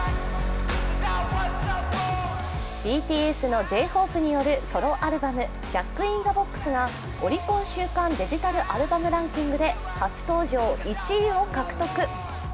ＢＴＳのＪ−ＨＯＰＥによるソロアルバム「ＪａｃｋｉｎＴｈｅＢｏｘ」がオリコン週間デジタルアルバムランキングで初登場１位を獲得。